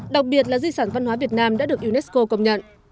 đặc biệt là di sản văn hóa việt nam đã được unesco công nhận